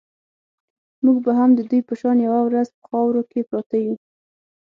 موږ به هم د دوی په شان یوه ورځ په خاورو کې پراته یو.